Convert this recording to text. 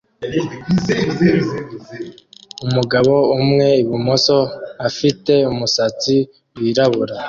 Umugabo umwe ibumoso afite umusatsi wirabura